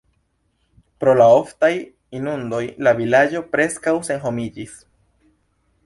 Pro la oftaj inundoj la vilaĝo preskaŭ senhomiĝis.